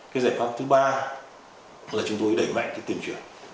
cái giải pháp thứ ba là chúng tôi đẩy mạnh cái tuyên truyền